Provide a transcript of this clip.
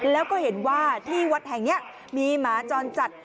แล้วก็เห็นว่าที่วัดแห่งนี้มีหมาจรจัด